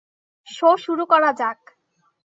Show শুরু করা যাক।